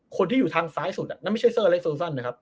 คนที่อยู่ทางซ้ายสุดนั่นไม่ใช่เซอร์เล็กโซสั้นนะครับ